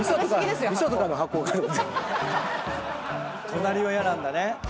隣は嫌なんだね。